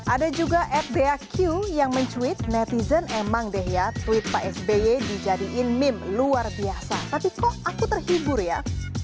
ada juga at the aq yang mencuit netizen emang deh ya tweet pak sby dijadikan meme luar biasa tapi kok aku terhibur ya